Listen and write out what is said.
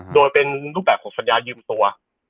โดยเป็นรูปแบบของสัญญายืมตัว